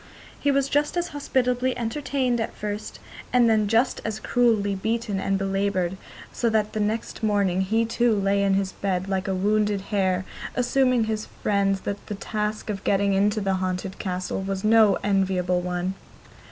He was just as hospitably entertained at first, and then just as cruelly beaten and belaboured, so that next morning he too lay in his bed like a wounded hare, assuring his friends that the task of getting into the haunted castle was no enviable one.